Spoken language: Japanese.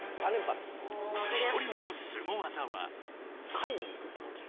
狩りに行くって感じ。